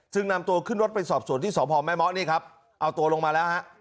ซึ่งนำตัวขึ้นรถไปสอบสวนที่สพแม่เมาะนี่ครับเอาตัวลงมาแล้วฮะ